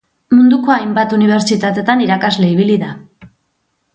Munduko hainbat unibertsitatetan irakasle ibili da.